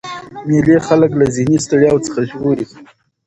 مېلې خلک له ذهني ستړیا څخه ژغوري.